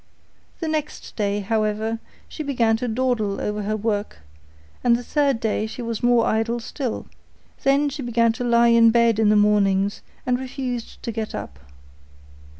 The next day, however, she began to dawdle over her work, and the third day she was more idle still; then she began to lie in bed in the mornings and refused to get up.